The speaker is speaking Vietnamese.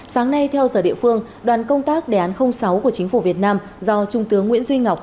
sáng nay theo giờ địa phương đoàn công tác đề án sáu của chính phủ việt nam do trung tướng nguyễn duy ngọc